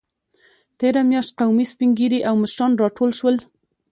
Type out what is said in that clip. تېره میاشت قومي سپینږیري او مشران راټول شول.